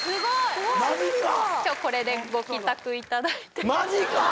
今日これでご帰宅いただいてマジか！